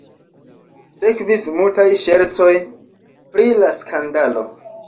Sekvis multaj ŝercoj pri la skandalo.